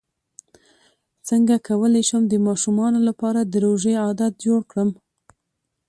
څنګه کولی شم د ماشومانو لپاره د روژې عادت جوړ کړم